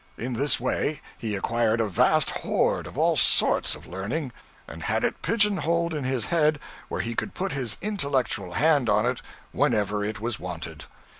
In this way he acquired a vast hoard of all sorts of learning, and had it pigeon holed in his head where he could put his intellectual hand on it whenever it was wanted.